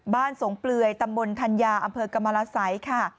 สงเปลือยตำบลธัญญาอำเภอกรรมรสัยค่ะ